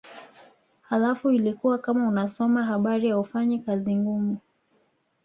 Halafu ilikuwa kama unasoma habari haufanyi kazi ngumu